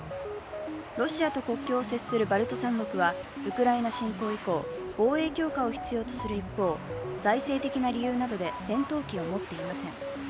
ロシアと国境を接するバルト三国はウクライナ侵攻以降、防衛強化を必要とする一方、財政的な理由などで戦闘機を持っていません。